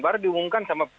baru diumumkan sama